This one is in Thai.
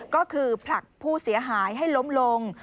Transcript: ก็คือผลักผู้เสียหายให้ล้มลง